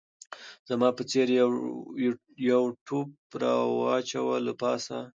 زما په څېر یو ټوپ راواچاوه له پاسه